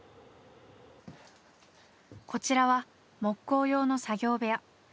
こちらは木工用の作業部屋。